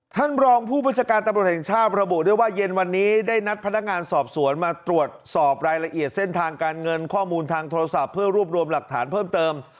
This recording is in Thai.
ท่านรองผู้บัญชาการตำรวจแห่งชาติระบุด้วยว่าเย็นวันนี้ได้นัดพนักงานสอบสวนมาตรวจสอบรายละเอียดเส้นทางการเงินข้อมูลทางโทรศัพท์เพื่อรวบรวมหลักฐานเพิ่มเติม